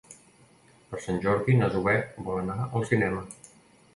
Per Sant Jordi na Zoè vol anar al cinema.